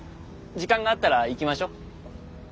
時間があったら行きましょ。